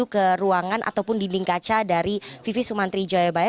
ke ruangan ataupun dinding kaca dari vivi sumantri jayabaya